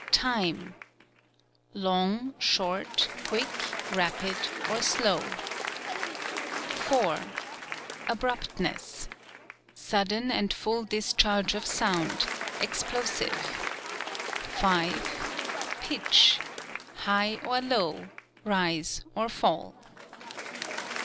Time — long, short, quick, rapid or slow. 4. Abruptness — sudden and full discharge of sound, explosive. 5. Pitch — high or low, rise or fall.